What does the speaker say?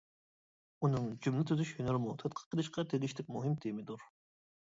ئۇنىڭ جۈملە تۈزۈش ھۈنىرىمۇ تەتقىق قىلىشقا تېگىشلىك مۇھىم تېمىدۇر.